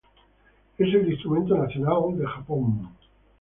Es el instrumento nacional de Japón.